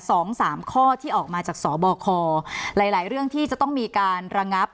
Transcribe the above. สองสามข้อที่ออกมาจากสบคหลายหลายเรื่องที่จะต้องมีการระงับ